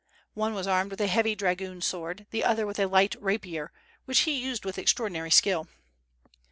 One was armed with a heavy dragoon sword; the other with a light rapier, which he used with extraordinary skill.